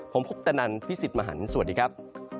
ผมคุปตนันพี่สิทธิ์มหันฯสวัสดีครับ